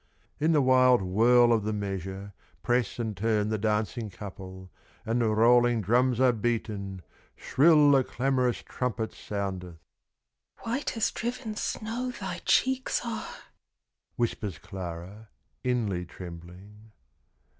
In the wild whirl of the measure, Press and turn the dancing couple, And the rolling drums are beaten, Shrill the clamorous trumpet soundeth. "White as driven snow thy cheeks are!" Whispers Clara, inly trembling.